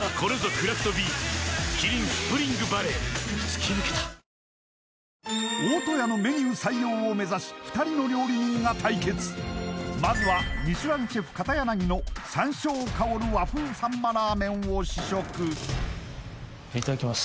さらに今夜はカワイイ大戸屋のメニュー採用を目指し２人の料理人が対決まずはミシュランシェフ片柳の山椒香る和風サンマラーメンを試食いただきます